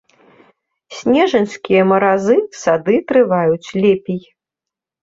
Снежаньскія маразы сады трываюць лепей.